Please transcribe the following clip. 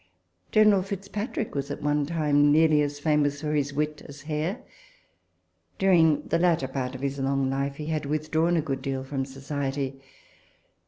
General Fitzpatrick was at one tune nearly as famous for his wit as Hare. During the latter part of his long life he had withdrawn a good deal from society.